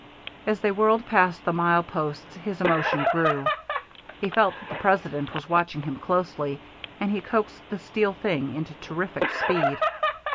As they whirled past the mile posts his emotion grew. He felt that the President was watching him closely, and he coaxed the steel thing into terrific speed.